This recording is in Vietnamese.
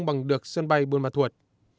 bằng được sân bay bươn mặt thuật